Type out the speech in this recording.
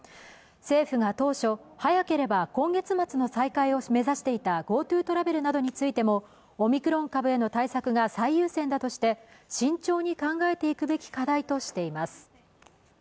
政府が当初、早ければ今月末の再開を目指していたＧｏＴｏトラベルなどについてもオミクロン株への対策が最優先だとして慎重に考えていくべき課題としています。